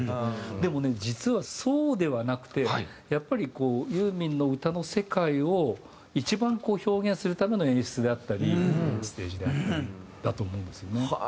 でもね実はそうではなくてやっぱりこうユーミンの歌の世界を一番表現するための演出であったりステージであったりだと思うんですよね。